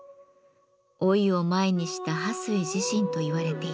老いを前にした巴水自身といわれています。